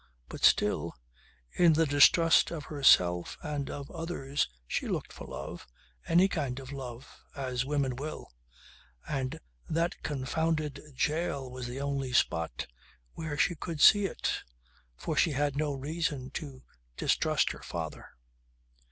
But still, in the distrust of herself and of others she looked for love, any kind of love, as women will. And that confounded jail was the only spot where she could see it for she had no reason to distrust her father.